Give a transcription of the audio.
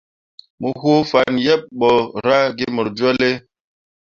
Mo woo fan yeɓ ɓo ra ge mor jolle.